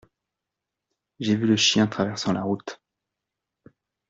J’ai vu le chien traversant la route.